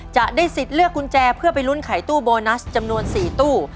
จะได้สิทธิ์เลือกกุญแจเพื่อไปลุ้นไขตู้โบนัสจำนวน๔ตู้